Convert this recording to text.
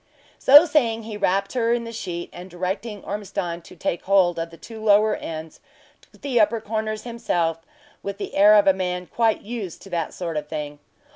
So saying, he wrapped her in the sheet, and directing Ormiston to take hold of the two lower ends, took the upper corners himself, with the air of a man quite used to that sort of thing.